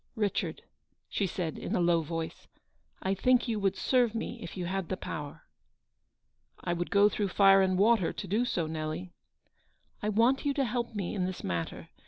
" Richard/' she said in a low voice, " I think you would serve me if you had the power." " I would go through fire and water to do so, Nelly." " I want you to help me in this matter.